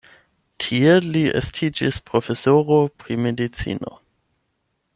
Tie li estiĝis profesoro pri medicino.